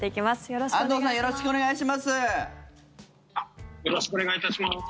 よろしくお願いします。